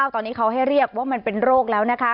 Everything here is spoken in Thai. ตอนนี้เขาให้เรียกว่ามันเป็นโรคแล้วนะคะ